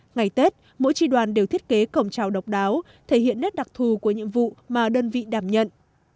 ngày tết mỗi tri đoàn đều thiết kế cổng trào độc đáo thể hiện nét đặc thù của nhiệm vụ mà đơn vị đảm nhận